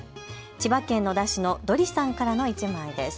千葉県野田市のどりさんからの１枚です。